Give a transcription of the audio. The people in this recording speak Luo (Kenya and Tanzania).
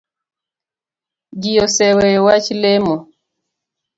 Ji oseweyo wach lemo